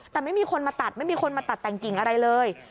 แต่ไม่มีคนมาตัดไม่มีคนมาตัดแต่งกิ่งอะไรเลย